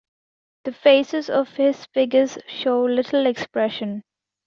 The faces of his figures show little expression.